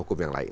hukum yang lain